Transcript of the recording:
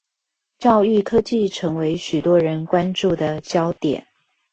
教育科技成為許多人關注的焦點